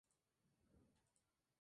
Harare, Zimbabwe".